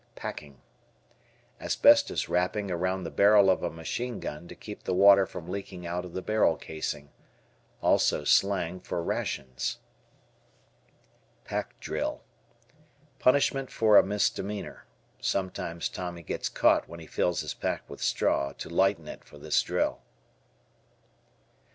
P Packing. Asbestos wrapping around the barrel of a machine gun to keep the water from leaking out of the barrel casing. Also slang for rations. Pack Drill. Punishment for a misdemeanor. Sometimes Tommy gets caught when he fills his pack with straw to lighten it for this drill.